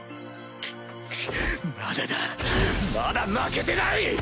クまだだまだ負けてない！